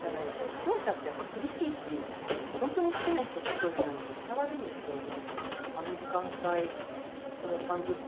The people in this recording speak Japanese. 視聴者ってやっぱ厳しいしほんとに好きな人とそうじゃないのって伝わるんですよね。